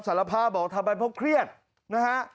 สารภาพบอกทำไปเพราะเครียดนะฮะ